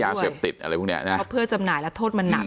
ร่วมกันใช้ยาเสพติดอะไรพวกเนี้ยนะฮะเพื่อจำหน่ายแล้วโทษมันหนัก